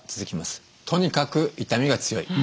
とにかく痛みが強い。